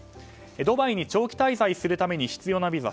ドバイに長期滞在するために必要なビザ